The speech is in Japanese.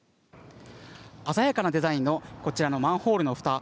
鮮やかなデザインのこちらのマンホールのふた。